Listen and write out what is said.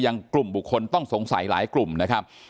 กลุ่มบุคคลต้องสงสัยหลายกลุ่มนะครับ